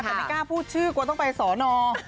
แต่ไม่กล้าพูดชื่อกลัวต้องไปสอนอ